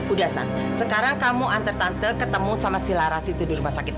udah san sekarang kamu antar tante ketemu sama si laras itu di rumah sakit